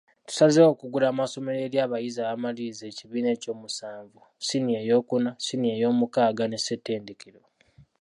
Tusazeewo okuggula amasomero eri abayizi abamalirizza ekibiina ekyomusanvu, siniya eyookuna, siniya eyoomukaaga ne ssettendekero.